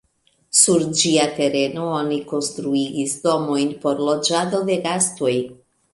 Sur ĝia tereno oni konstruigis domojn por loĝado de gastoj.